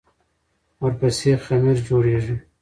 ورپسې خمیر جوړېږي.